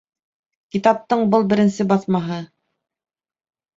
Китаптың был беренсе баҫмаһы